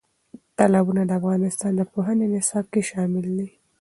تالابونه د افغانستان د پوهنې نصاب کې شامل دي.